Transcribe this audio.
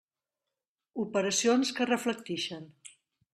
Operacions que reflectixen.